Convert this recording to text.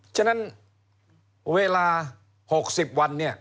ฉะนั้นเวลา๖๐วัน